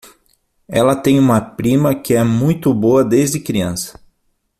Ela tem uma prima que é muito boa desde criança.